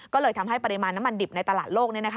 ก็เลยทำให้ปริมาณน้ำมันดิบในตลาดโลก